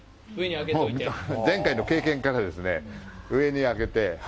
前回の経験からですね、上に上げて。